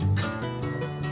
menu nasi becek